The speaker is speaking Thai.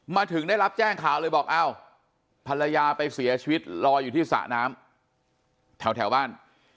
มาถึงได้รับแจ้งข่าวเลยบอกอ้าวภรรยาไปเสียชีวิตลอยอยู่ที่สระน้ำแถวบ้าน